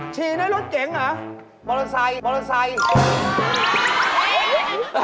ชีในรถเจ๋งหรือมอเตอร์ไซด์มอเตอร์ไซด์โอ้โฮ